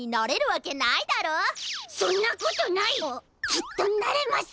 きっとなれます！